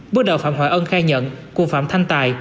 bước đầu phạm hoài ân khai nhận cụ phạm thanh tài